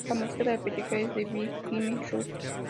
La música de la película es de Big Time Rush.